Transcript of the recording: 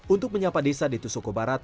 untuk menyapa desa ditusuko barat